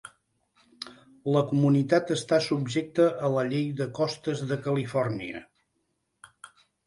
La comunitat està subjecta a la llei de costes de Califòrnia.